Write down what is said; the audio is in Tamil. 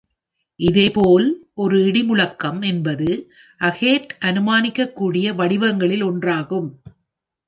இதேபோல், ஒரு இடிமுழக்கம் என்பது அகேட் அனுமானிக்கக்கூடிய வடிவங்களில் ஒன்றாகும்.